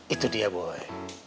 itu dia boy